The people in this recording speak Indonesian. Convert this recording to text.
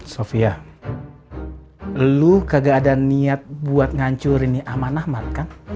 sofia lu kagak ada niat buat ngancurin ini amanah mart kan